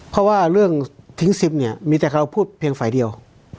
เพราะว่าเรื่องทิ้งซิมเนี่ยมีแต่เราพูดเพียงฝ่ายเดียว